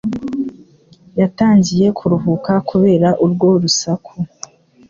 Yatangiye kuruhuka kubera urwo rusaku.